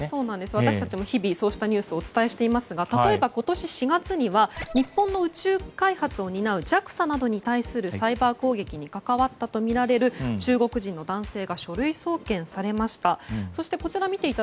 私たちも日々そうしたニュースをお伝えしていますが、例えば今年４月には日本の宇宙開発を担うＪＡＸＡなどに対するサイバー攻撃に関わったとみられる中国人の男性が書類送検されました。